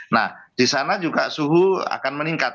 nah di sana juga suhu akan meningkat